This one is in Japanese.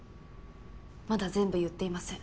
まだ全部言っていません。